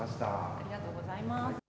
ありがとうございます。